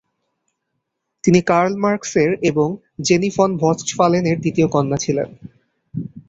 তিনি কার্ল মার্কসের এবং জেনি ফন ভস্টফালেনের দ্বিতীয় কন্যা ছিলেন।